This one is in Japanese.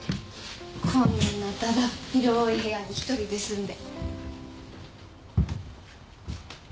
こんなだだっ広い部屋に一人で住んで。